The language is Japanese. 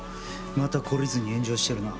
また懲りずに炎上してるな。